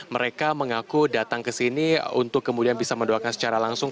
mereka mengaku datang ke sini untuk kemudian bisa mendoakan secara langsung